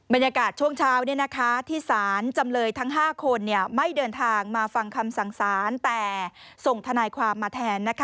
บรรยากาศช่วงเช้าที่สารจำเลยทั้ง๕คนไม่เดินทางมาฟังคำสั่งสารแต่ส่งทนายความมาแทน